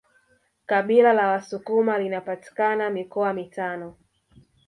Kabila la wasukuma linapatikana mikoa mitano